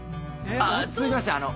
続きましてあの。